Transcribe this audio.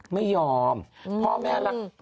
ไม่ยอมพ่อแม่รัก